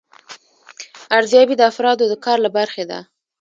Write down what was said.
ارزیابي د افرادو د کار له برخې ده.